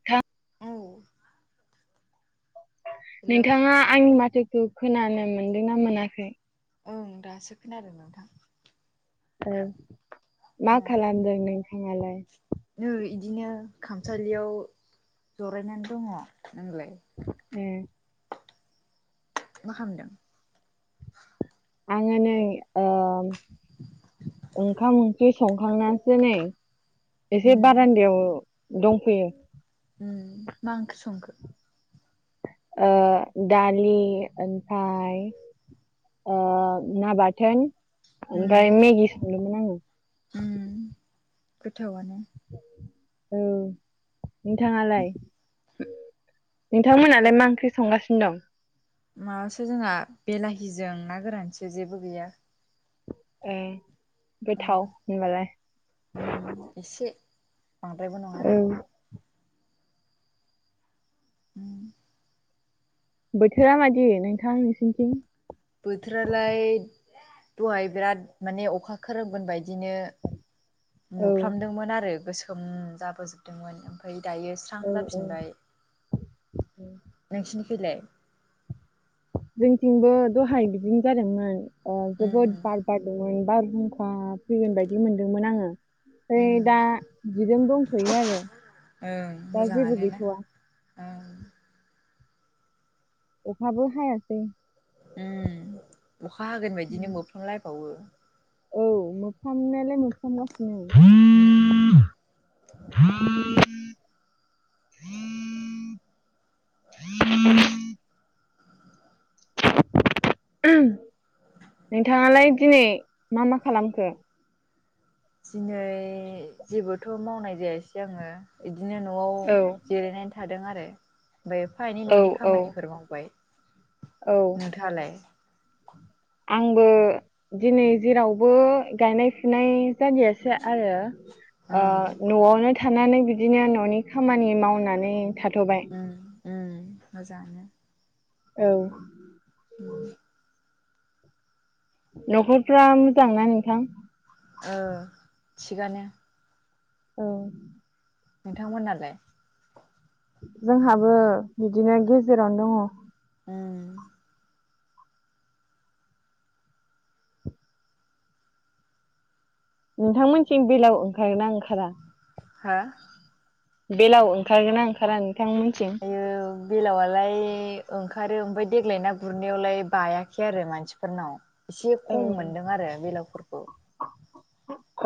थ [inaudible] औ हेलौ नोंथाङा आंनि माथोखौ खोनानो मोनदोंना मोनाखै? ओं दासो खोनादों नोंथां। औ मा खालामदों नोंथाङालाय नों इदिनो खामसालियाव जरायनानै दङ नोंलाय? [unintelligible] मा खालामदों। आङो नै ओंखाम खै संखांनानैसो नै एसे उम बारान्दायाव दंफैयो। उम मा ओंख्रि संखो? दालि ओमफ्राय ना बाथोन ओमफ्राय मेगि संदोंमोन आङो। गोथावनो औ नोंथाङालाय? हो नोंथांमोनालाय मा ओंख्रि संगासिनो दं। माबासो जोंहा बेलाहिजों ना गोरानसो जेबो गैया‌। ओं औ गोथाव होनबालाय एसे बांद्रायबो नङा। औ। ओ। बोथोरा मादि नोंथां नोंसोरनिथिं बोथोरालाय दहाय बिराद माने अखा खोरोमगोन बादिनो औ नुफ्लामदोंमोन आरो गोसोम जाबोजोबदोंमोन ओमफ्राय दायो स्रां औ औ जाफिनबाय औ नोंसिनिखैलाय? जोंथिंबो दहाय बिदिनो जादोंमोन जोबोद उम बार बारदोंमोन बारहुमखा फैगोन बायदि मोनदोंमोन आङो इ उम दा बिजों दंथ'यो आरो ओं दा जेबो मोजाङानो ना गैथ'वा। ओं अखाबो हायासै उम अखा हागोन बादिनो उम, बोफ्लामलायबावो। औ मोफ्लामनायलाय मोफ्लामगासिनो। उम [inaudible] [inaudible] नोंथाङालाय दिनै मा मा खालामखो दिनै जेबोथ' मावनाय जायासै आङो बिदिनो न'आव औ जिरायनानै थादों आरो ओमफ्राय एफा एनै औ न'नि औ खामानिफोर मावबाय औ नोंथाङालाय आंबो दिनै जेरावबो गायनाय फुनाय जलियासो आरो ओं न'आवनो थानानै बिदिनो न'नि खामानि मावनानै थाथ'बाय मोजाङानो औ हम न'खरफ्रा मोजांना नोंथां औ थिगानो औ नोंथां मोननालाय जोंहाबो बिदिनो गेजेरावनो दङ ओम नोंथांमोनथिं बेलाव ओंखारोना ओंखारा बेलाव ओंखारगोनना ओंखारा नोंथांमोनथिं आयै बेलावलाय ओंखारो ओमफ्राय देग्लाय ना गुरनायावलाय बायाखै आरो मानसि फोरनाव एसे औ खम मोनदों आरो बेलावफोरखौ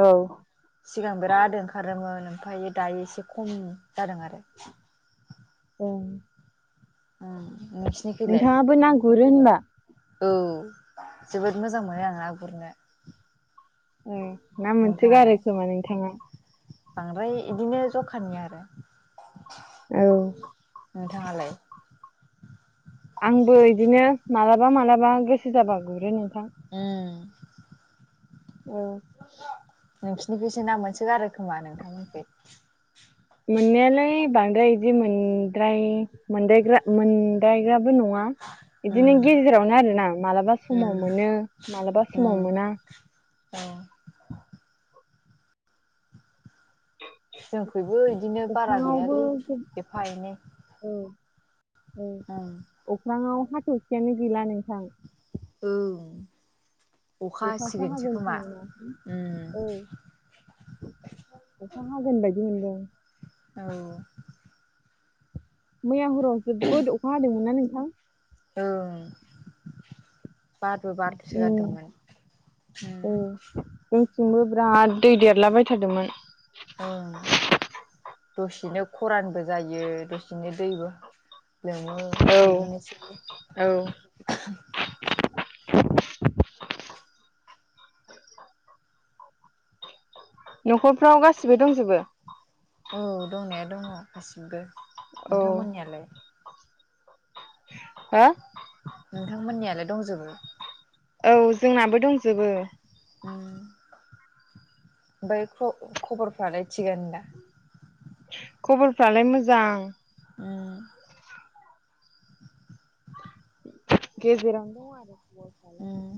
औ सिगां बिराद ओंखारोमोन ओमफ्राय दायो एसे खम जादों आरो औ ओं [unintelligible] नोंथाङाबो ना गुरो होनबा औ जोबोद मोजां मोनो आं ना गुरनो औ ना मोनसो गारो नोंथाङालाय खोमा नोंथाङा बांद्राय बिदिनो जखानि आरो औ नोंथाङालाय आंबो बिदिनो मालाबा मालाबा गोसो जाबा गुरो नोंथां उम औ नोंसिनिखिसो ना मोनसोगारो खोमा नोंथांमोननिखि मोननायालाय बांद्राय बिदि मोनद्राय मोनदायग्रा मोनदायग्राबो नङा बिदिनो उम गेजेरावनो आरो ना मालाबा समाव उम मोनो मालाबा समाव मोना अ [inaudible] जोंखैबो बिदिनो बारा अख्राङावबो गैयालै एफा एनै औ औ ओं अख्राङाव हाथरखियानो गैला नोंथां ओं अखा अखासो हसिगोनसो हागोन खोमा खोमाना औ अखा हागोन बायदि मोनदों औ मैया हराव जोबोद अखा हादोंमोनना नोंथां औ बारबो' बारद'सो उम गारदोंमोन औ जोंथिंबो बिराद दै देरला बायथारदोंमोन औ दसेनो खरानबो जायो दसेनो दैबो लोमो औ बिदिनोसै औ न'खरफ्राव गासिबो दंजोबो? औ दंनाया दङ' गासिब्बो औ नोंथांमोननियालाय? [inaudible] हो? नोंथांमोननियालाय दंजोबो? औ जोंनाबो दंजोबो। ओम ओमफाय ख ख'बरफ्रालाय थिगानो दा? ख'बरफ्रालाय मोजां ओम गेजेरावनो दं आरो खबरफ्रालाय उम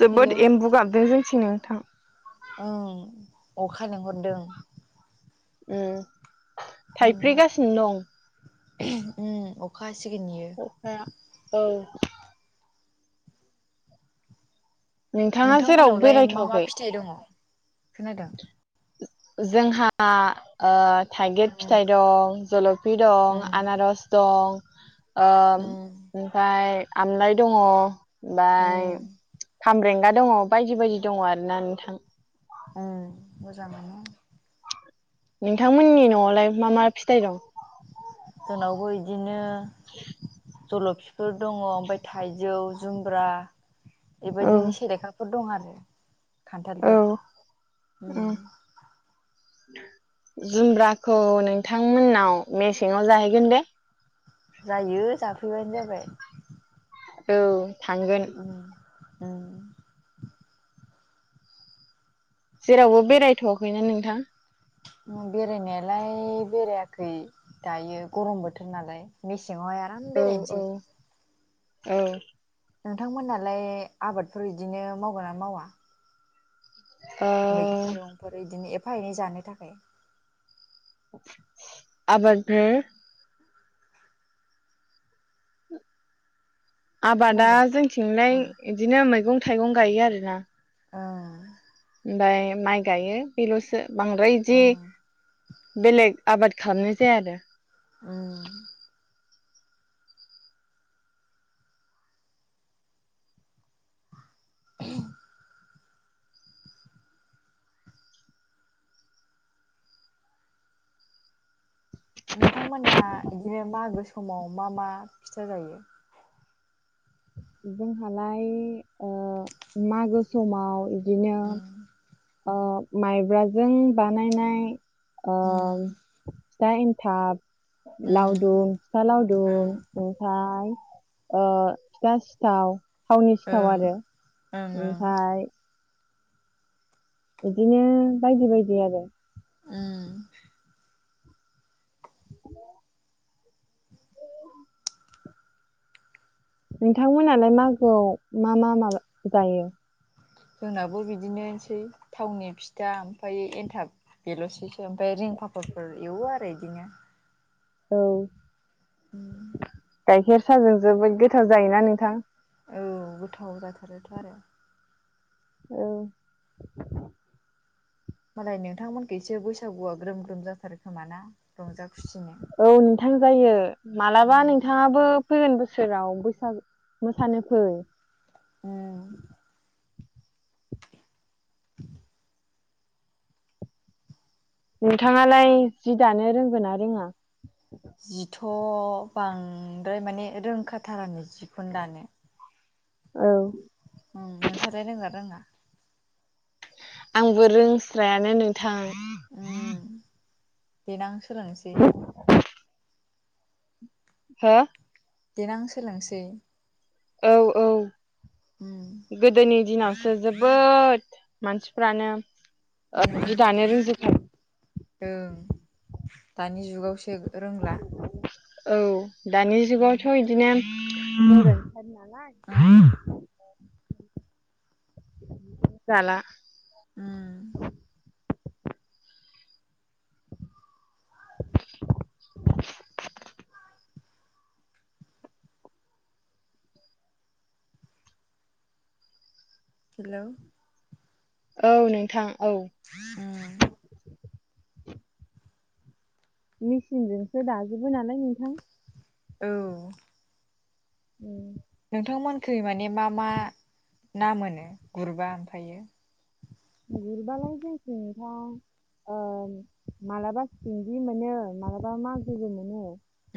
जोबोद हेलौ एम्बु गाबदों जोंथिं नोंथां ओं अखा लेंहरदों। ओम थाइफ्रिगासिनो दं। ओम अखा हासिगोन इयो अखाया औ नोंथाङा जेरावबो नोंथांमोनावलाय मा मा बेरायथ'वाखै फिथाइ दङ' खोनादों? जोंहा ओ थाइगिर उम फिथाइ दं, जल'फि दं, उम आनारस दं ओम उम ओमफाय आमलाइ दङ' बाय उम खामब्रेंगा दङ' बायदि बायदि दङ' आरोना नोंथां ओं मोजाङानो नोंथांमोननि न'आवलाय मा मा फिथाइ दं? जोंनावबो इदिनो [unintelligible] जल'फिफोर दङ' ओमफाय थाइजौ, जुमब्रा औ इबायदिनो सेलेखाफोर दं आरो खान्थालफोर औ उम ओम जुमब्राखौ नोंथांमोननाव मेसेङाव जाहैगोन दे। जायो जाफैबानो जाबाय। औ थांगोन ओम ओम जेरावबो बेरायथ'वाखैना नोंथां? बेरायनायालाय बेरायाखै दायो गरम बोथोर नालाय मेसेङावहाय आराम औ औ बेरायनोसै औ नोंथांमोननालाय आबादफोर इदिनो मावगोना मावा? ओ मैगं-थाइगंफोर इदिनो एफा एनै जानो थाखाय आबाद [unintelligible] आबादा खोनादों जोंथिंलाय ओं इदिनो मैगं-थाइगं गायो आरोना ओ ओमबाय माइ गायो बेल'सो बांद्राय ओं इदि बेलेग आबाद खालामनाय जाया आरो ओम [unintelligible] नोंथांमोना इदिनो मागो समाव मा मा फिथा जायो? जोंहालाय ओ मागो समाव इदिनो उम ओ माइब्राजों बानायनाय ओ उम फिथा एन्थाब, उम लावदुम, फिथा ओं लावदुम ओमफाय ओ फिथा सिथाव थावनि सिथाव ओं आरो ओं ओं ओमफ्राय बिदिनो बायदि बायदि आरो उम नोंथांमोनालाय मागोआव मा मा माबा जायो जोंनाबो बिदिनोसै थावनि फिथा ओमफाय एन्थाब बेल'सेसो ओमफ्राय रिं फाफाफोर एवो आरो इदिनो औ [inaudible] गाइखेर साजों जोबोद गोथाव जायोना नोंथां औ गोथाव जाथारोथ' आरो औ मालाय नोंथांमोनखैसो बैसागुआ ग्रोम ग्रोम जाथारोखोमा ना रंजा खुसिनो औ नोंथां जायो मालाबा उम नोंथाङाबो फैगोन बोसोराव बैसागो मोसानो फै उम [inaudible] नोंथाङालाय जि दानो रोंगोना रोङा जिथ' बांद्राय माने रोंखाथारानो जिखौनो दानो औ उम नोंथालाय रोंगोना रोङा आंबो रोंस्रायानो नोंथां उम देनां सोलोंनोसै हो देनां सोलोंनोसै औ औ उम गोदोनि दिनावसो जोबोद मानसिफ्रानो उम ओ जि दानो रोंजोबखायो ओं दानि जुगावसो रोंला औ दानि उम जुगावथ' बिदिनो गोजोनथार नालाय उम जाला उम हेलौ औ नोंथां औ उम मेसिनजोंसो दाजोबो नालाय नोंथां औ [inaudible] नोंथांमोनखै माने मा मा ना मोनो गुरबा ओमफ्रायो [unintelligible] ओ मालाबा सिंगि मोनो मालाबा मागुरबो मोनो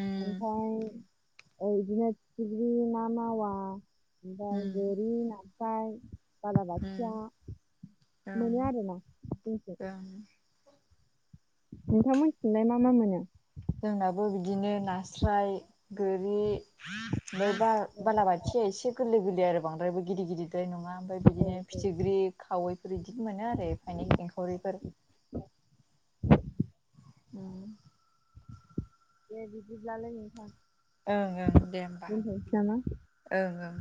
उम ओमफ्राय इदिनो फिथिख्रि ना मावा ओमफ्राय उम गोरि नास्राय बला उम बाथिया ओं ओं नोंथांमोनिथिंलाय मा मा मोनो जोंनाबो बिदिनो नास्राय गोरि ओमफ्राय बा बालाबाथि एसे एसे गोरलै गोरलै आरो बद्रायबो गिदर गिदिर नङा ओमफाय बिदिनो फिथिख्रि खावैफोर इदिनो मोनो आरो एफा एनै एंखावरिफोर [inaudible] [inaudible] दे बिदिब्लालाय नोंथां। ओं ओं दे होमबा दोनथ'नोसै नामा? ओं ओं